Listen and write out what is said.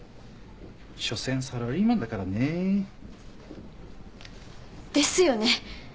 しょせんサラリーマンだからね。ですよね。